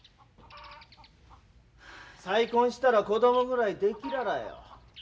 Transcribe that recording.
再婚したら子供ぐらいできららよ。